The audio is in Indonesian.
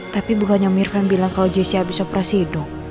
tapi bukan yang mirvan bilang kalau jessy abis operasi hidung